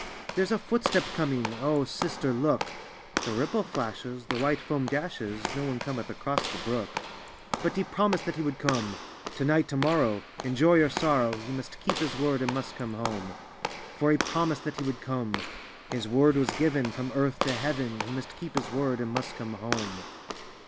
— "There's a footstep coming; O sister, look," — "The ripple flashes, the jvhite foam dashes; No one cometh across the brook." — "But he promised that he would come: To night, to morrow, in joy or sorrow. He must keep his word, and must come home. "For he promised that he would come; His word was given ; from earth to heaven, He must keep his word, and must come home.